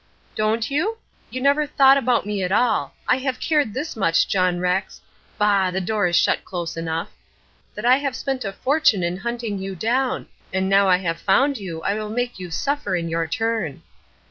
"Don't you? You never thought about me at all. I have cared this much, John Rex bah! the door is shut close enough that I have spent a fortune in hunting you down; and now I have found you, I will make you suffer in your turn."